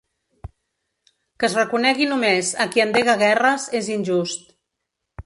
Que es reconegui només a qui endega guerres és injust.